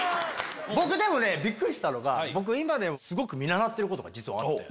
僕ビックリしたのが今でもすごく見習ってることが実はあって。